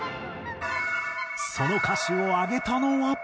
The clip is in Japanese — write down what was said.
その歌手を挙げたのは。